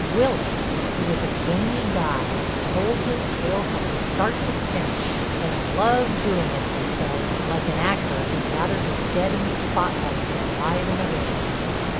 Willitts, who was a gamy guy, told his tale from start to finish, and loved doing it, they said, like an actor who'd rather be dead in the spotlight than alive in the wings.